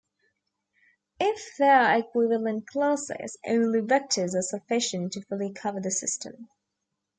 If there are equivalent classes, only vectors are sufficient to fully cover the system.